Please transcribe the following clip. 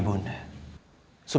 ibu nambet kasih